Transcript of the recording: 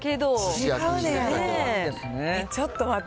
すし、ちょっと待って。